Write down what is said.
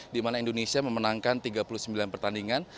di mana indonesia memenangkan tiga puluh sembilan pertandingan